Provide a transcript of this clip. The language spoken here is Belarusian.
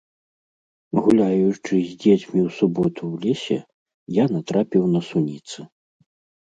Гуляючы з дзецьмі ў суботу ў лесе, я натрапіў на суніцы.